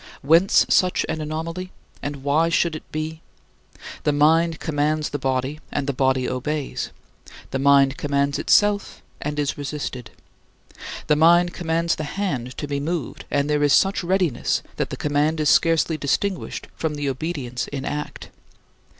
Whence such an anomaly? And why should it be? The mind commands the body, and the body obeys. The mind commands itself and is resisted. The mind commands the hand to be moved and there is such readiness that the command is scarcely distinguished from the obedience in act.